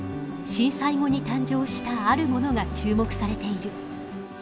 震災後に誕生したあるものが注目されている。